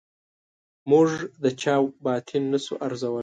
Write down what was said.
موږ د چا باطن نه شو ارزولای.